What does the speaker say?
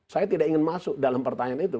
saya tidak ingin masuk dalam pertanyaan itu